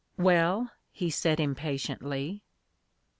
"Well," he said impatiently.